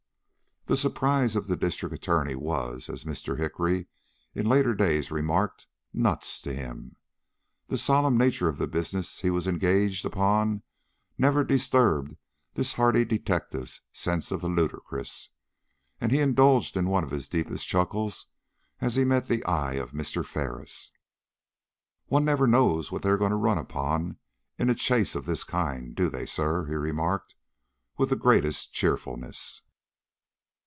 The surprise of the District Attorney was, as Mr. Hickory in later days remarked, nuts to him. The solemn nature of the business he was engaged upon never disturbed this hardy detective's sense of the ludicrous, and he indulged in one of his deepest chuckles as he met the eye of Mr. Ferris. "One never knows what they are going to run upon in a chase of this kind, do they, sir?" he remarked, with the greatest cheerfulness.